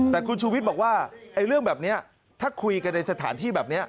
แต่คุณชูวิทย์บอกว่าเรื่องแบบนี้ถ้าคุยกันในสถานที่แบบนี้